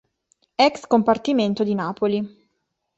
Ex Compartimento di Napoli.